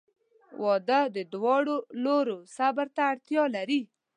• واده د دواړو لورو صبر ته اړتیا لري.